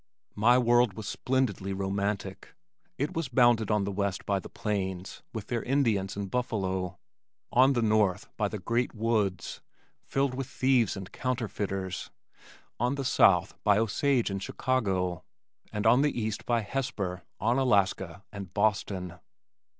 My world was splendidly romantic. It was bounded on the west by THE PLAINS with their Indians and buffalo; on the north by THE GREAT WOODS, filled with thieves and counterfeiters; on the south by OSAGE AND CHICAGO; and on the east by HESPER, ONALASKA and BOSTON.